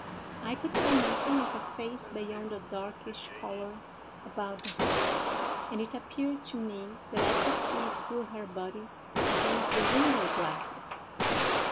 I could see nothing of a face beyond a darkish color about the head, and it appeared to me that I could see through her body against the window glasses.